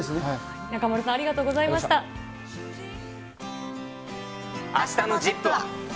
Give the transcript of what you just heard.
中丸さん、ありがとうございあしたのＺＩＰ！は。